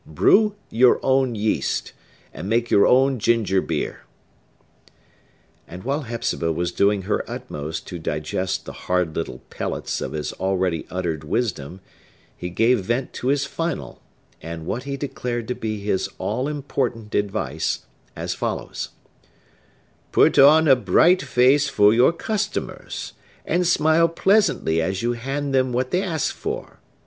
Brew your own yeast, and make your own ginger beer!" And while Hepzibah was doing her utmost to digest the hard little pellets of his already uttered wisdom, he gave vent to his final, and what he declared to be his all important advice, as follows:— "Put on a bright face for your customers, and smile pleasantly as you hand them what they ask for!